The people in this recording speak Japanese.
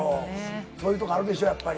そういうところあるでしょう、やっぱり。